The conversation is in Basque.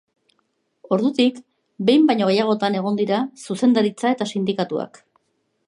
Ordutik, behin baino gehiagotan egon dira zuzendaritza eta sindikatuak.